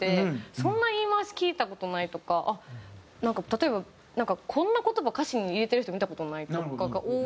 そんな言い回し聞いた事ないとかなんか例えばこんな言葉歌詞に入れてる人見た事ないとかが多い。